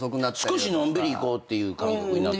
少しのんびりいこうっていう感覚になってるよね。